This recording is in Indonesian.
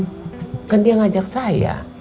bukan dia ngajak saya